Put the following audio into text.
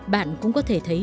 bạn cũng có thể thấy